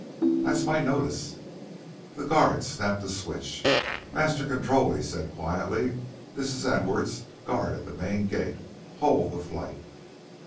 "That's my notice " The guard snapped a switch. "Master Control," he said quietly. "This is Edwards, guard at the main gate, hold the flight."